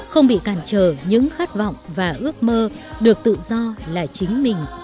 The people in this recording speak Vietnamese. không bị cản trở những khát vọng và ước mơ được tự do là chính mình